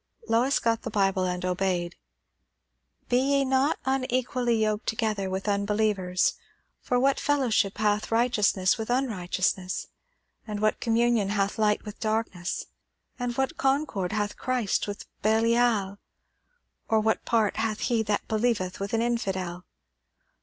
Lois got the Bible and obeyed, "'Be ye not unequally yoked together with unbelievers: for what fellowship hath righteousness with unrighteousness? and what communion hath light with darkness? and what concord hath Christ with Belial? or what part hath he that believeth with an infidel?'"